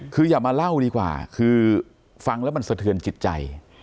คืออย่ามาเล่าดีกว่าคือฟังแล้วมันสะเทือนจิตใจ